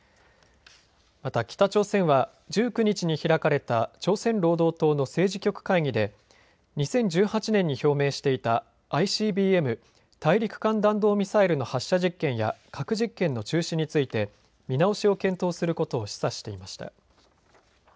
また北朝鮮は１９日に開かれた朝鮮労働党の政治局会議で２０１８年に表明していたＩＣＢＭ・大陸間弾道ミサイルの発射実験や核実験の中止について見直しを検討することを示唆していました。